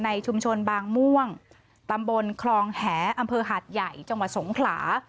ชุมชนบางม่วงตำบลคลองแหอำเภอหาดใหญ่จังหวัดสงขลา